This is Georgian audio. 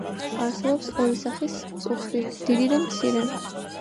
არსებობს ორი სახის მწუხრი: დიდი და მცირე.